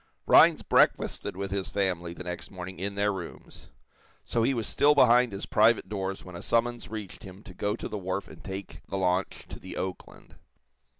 Rhinds breakfasted with his family, the next morning, in their rooms. So he was still behind his private doors when a summons reached him to go to the wharf and take the launch to the "Oakland."